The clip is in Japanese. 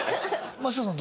松下さん